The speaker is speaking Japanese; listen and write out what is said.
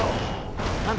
何だ？